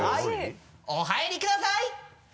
お入りください！